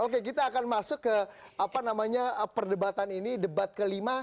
oke kita akan masuk ke perdebatan ini debat kelima